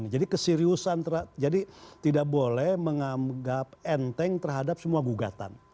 jadi keseriusan jadi tidak boleh menganggap enteng terhadap semua gugatan